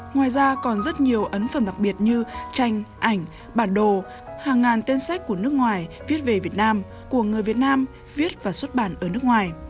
ngoài ra còn rất nhiều ấn phẩm đặc biệt như tranh ảnh bản đồ hàng ngàn tên sách của nước ngoài viết về việt nam của người việt nam viết và xuất bản ở nước ngoài